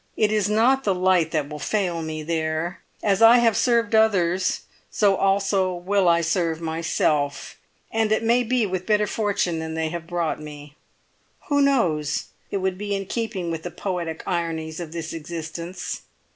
It is not the light that will fail me, there; and as I have served others, so also will I serve myself, and it may be with better fortune than they have brought me. Who knows? It would be in keeping with the poetic ironies of this existence.